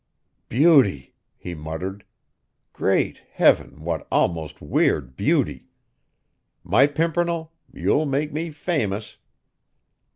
"Beauty!" he muttered. "Great heaven, what almost weird beauty! My Pimpernel, you'll make me famous!"